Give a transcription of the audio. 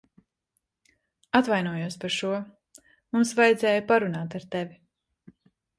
Atvainojos par šo. Mums vajadzēja parunāt ar tevi.